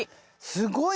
すごい。